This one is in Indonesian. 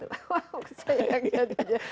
wah saya yang jadi